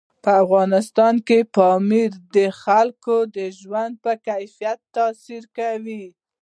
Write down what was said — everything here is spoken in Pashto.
په افغانستان کې پامیر د خلکو د ژوند په کیفیت تاثیر کوي.